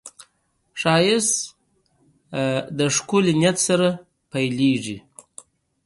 ښایست له ښکلي نیت سره پیلېږي